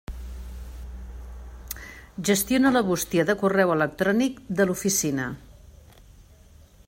Gestiona la bústia de correu electrònic de l'Oficina.